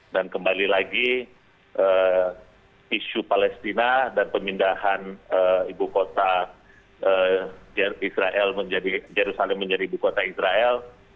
dan kembali lagi isu palestina dan pemindahan yerusalem menjadi ibu kota israel